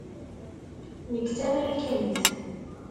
Nekk d Tamarikanit.